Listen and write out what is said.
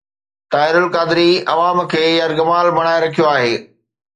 طاهر القادري عوام کي يرغمال بڻائي رکيو آهي.